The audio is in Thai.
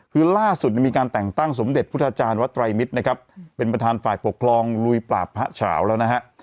คือล่าสุดมีการแต่งตั้งสมเด็จพุทธาจารย์วัดไตรมิตรนะครับเป็นประธานฝ่ายปกครองลุยปราบพระเฉาแล้วนะฮะ